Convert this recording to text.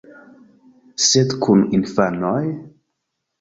Sed kun infanoj?